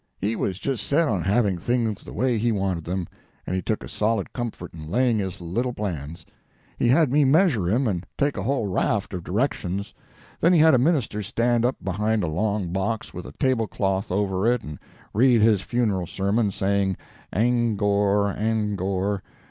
He was just set on having things the way he wanted them, and he took a solid comfort in laying his little plans. He had me measure him and take a whole raft of directions; then he had a minister stand up behind a long box with a tablecloth over it and read his funeral sermon, saying 'Angcore, angcore!'